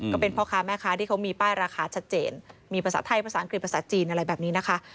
ก็เป็นพ่อค้าแม่ค้าที่เขามีป้ายราคาชัดเจนมีภาษาไทยภาษาอังกฤษภาษาจีนอะไรแบบนี้นะคะ